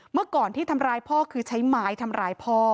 เมื่อก่อนที่ทำร้ายพ่อคือใช้ไม้ทำร้ายพ่อ